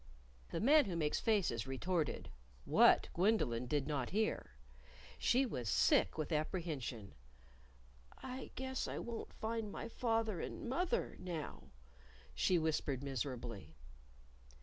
The Man Who Makes Faces retorted what, Gwendolyn did not hear. She was sick with apprehension. "I guess I won't find my father and moth er now," she whispered miserably.